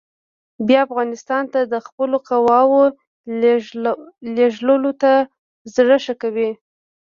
بیا به افغانستان ته د خپلو قواوو لېږلو ته زړه ښه کړي.